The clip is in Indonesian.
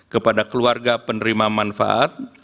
kepada keluarga penerima manfaat